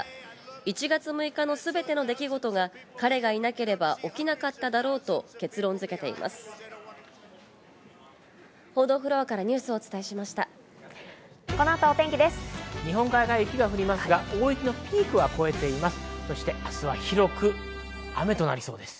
１月６日のすべての出来事が彼がいなければ起きなかっただろうと結論づけています。